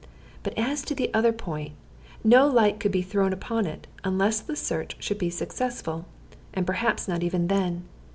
But as to the other point, no light could be thrown upon it, unless the search should be successful, and perhaps not even then.